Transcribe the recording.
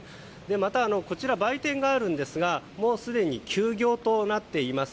また、売店がありますがもうすでに休業となっています。